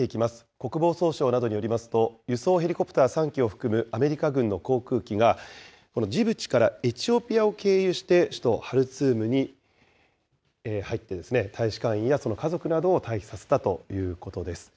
国防総省などによりますと、輸送ヘリコプター３機を含むアメリカ軍の航空機が、このジブチからエチオピアを経由して首都ハルツームに入って、大使館員やその家族などを退避させたということです。